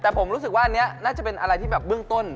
แต่ผมรู้สึกว่าอันนี้น่าจะเป็นอะไรที่แบบเบื้องต้น